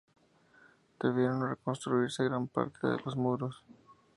Debieron reconstruirse gran parte de los muros.